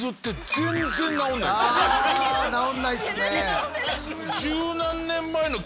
あ直んないっすね。